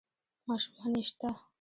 ـ ماشومان يې شته؟